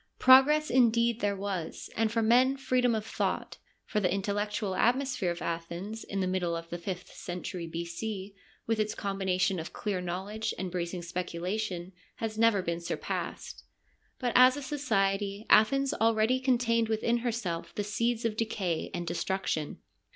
Progress indeed there was, and for men freedom of thought, for the intel lectual atmosphere of Athens in the middle of the fifth century B.C., with its combination of clear knowledge and bracing speculation, has never been surpassed. But as a society, Athens already contained within herself the seeds of decay and destruction.